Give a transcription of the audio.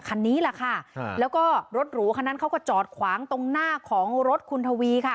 คันนี้แหละค่ะแล้วก็รถหรูคันนั้นเขาก็จอดขวางตรงหน้าของรถคุณทวีค่ะ